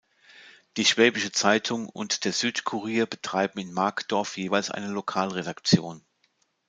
Die "Schwäbische Zeitung" und der "Südkurier" betreiben in Markdorf jeweils eine Lokalredaktion.